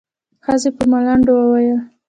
ښځې په ملنډو وويل.